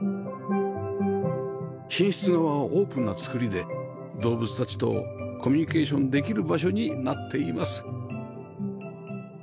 寝室側はオープンな造りで動物たちとコミュニケーションできる場所になっています